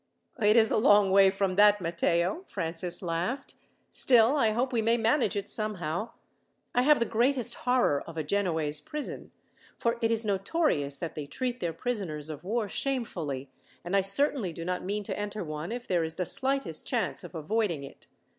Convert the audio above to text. "It is a long way from that, Matteo," Francis laughed. "Still, I hope we may manage it somehow. I have the greatest horror of a Genoese prison, for it is notorious that they treat their prisoners of war shamefully, and I certainly do not mean to enter one, if there is the slightest chance of avoiding it.